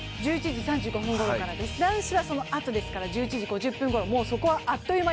１１時３５分ごろからです、男子はそのあと１１時５０分ごろ。